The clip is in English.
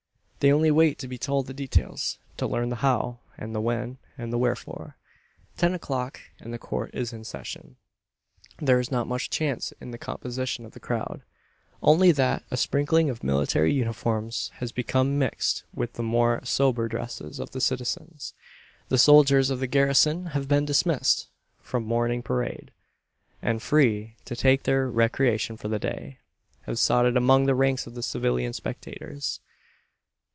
They only wait to be told the details; to learn the how, and the when, and the wherefore. Ten o'clock, and the Court is in session. There is not much change in the composition of the crowd; only that a sprinkling of military uniforms has become mixed with the more sober dresses of the citizens. The soldiers of the garrison have been dismissed from morning parade; and, free to take their recreation for the day, have sought it among the ranks of the civilian spectators.